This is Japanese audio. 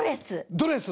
ドレス。